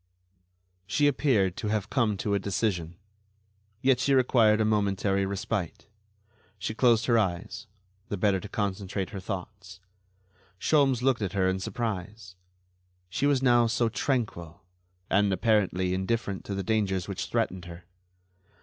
She appeared to have come to a decision ... yet she required a momentary respite. She closed her eyes, the better to concentrate her thoughts. Sholmes looked at her in surprise; she was now so tranquil and, apparently, indifferent to the dangers which threatened her.